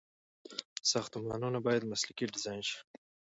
ساختمانونه باید مسلکي ډيزاين شي.